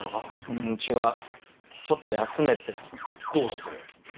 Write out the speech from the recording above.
ううん違うちょっと休めってさどうして？